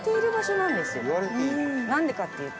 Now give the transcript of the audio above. なんでかっていうと。